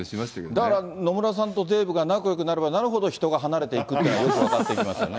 だから、野村さんとデーブが仲よくなればなるほど人が離れていくっていうということがよく分かってきますよね。